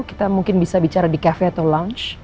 kita mungkin bisa bicara di cafe atau lunch